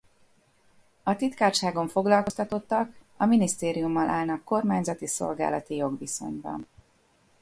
A Titkárságon foglalkoztatottak a minisztériummal állnak kormányzati szolgálati jogviszonyban.